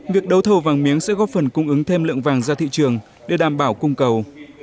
việc đấu thầu vàng miếng sẽ góp phần cung ứng thêm lượng vàng ra thị trường để đảm bảo cung cầu